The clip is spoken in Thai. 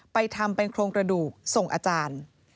ไปทำเป็นโครงกระดูกส่งอาจารย์